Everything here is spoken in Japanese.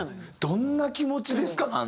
「どんな気持ちですか？」なんてね。